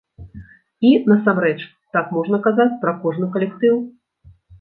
І, насамрэч, так можна казаць пра кожны калектыў.